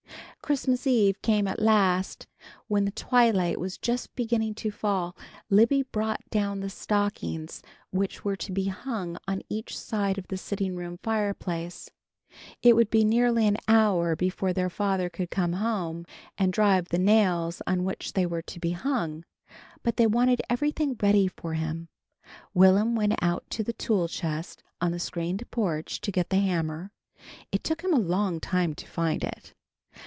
Christmas eve came at last. When the twilight was just beginning to fall, Libby brought down the stockings which were to be hung on each side of the sitting room fireplace. It would be nearly an hour before their father could come home to drive the nails on which they were to hang, but they wanted everything ready for him. Will'm went out to the tool chest on the screened porch to get the hammer. It took him a long time to find it.